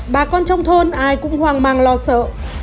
bà con trong thôn ai cũng hoang mang lo sợ